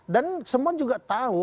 dan semua juga tahu